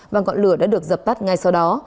và ngọn lửa đã được dập tắt ngay sau đó